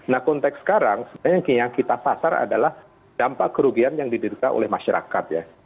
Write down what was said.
nah konteks sekarang sebenarnya yang kita pasar adalah dampak kerugian yang diderita oleh masyarakat ya